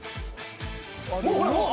もうほらもう！